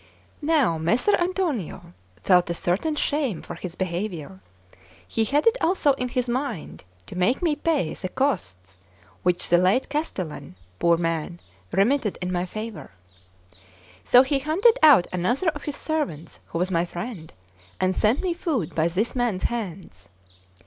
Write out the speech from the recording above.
Now Messer Antonio felt a certain shame for his behaviour; he had it also in his mind to make me pay the costs which the late castellan, poor man, remitted in my favour. So he hunted out another of his servants, who was my friend, and sent me food by this man's hands.